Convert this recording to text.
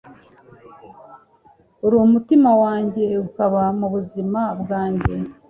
Ur' umutima wanjye ukaba mubuzima bwanjye,